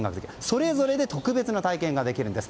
それぞれで特別な体験ができるんです。